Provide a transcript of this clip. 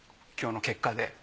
今日の結果で。